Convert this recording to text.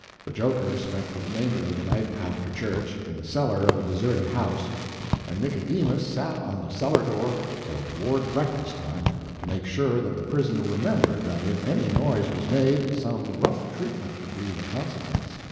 The joker spent the remainder of the night, after church, in the cellar of a deserted house, and Nicodemus sat on the cellar door till toward breakfast time to make sure that the prisoner remembered that if any noise was made, some rough treatment would be the consequence.